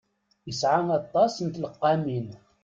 Yesɛa aṭas n tleqqamin.